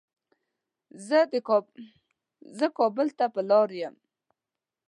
زه کابل ته په لاره يم